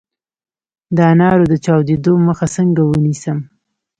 د انارو د چاودیدو مخه څنګه ونیسم؟